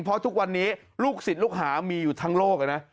เพราะทุกวันนี้ลูกศิษย์ลูกหามีอยู่ทั้งโลกนะ